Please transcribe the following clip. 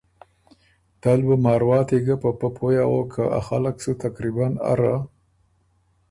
دل بُو مارواتی ګه په پۀ پویٛ اغوک که ا خلق سُو تقریباً اره